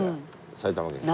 埼玉県に。